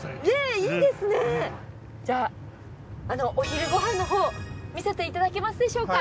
じゃあお昼ご飯のほう見せていただけますでしょうか？